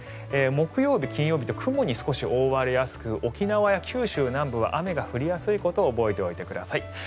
木曜日、金曜日と雲に少し覆われやすく沖縄や九州南部は雨が降りやすいことを覚えておいてください。